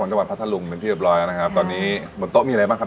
จังหวัดพัทธรุงเป็นที่เรียบร้อยแล้วนะครับตอนนี้บนโต๊ะมีอะไรบ้างครับ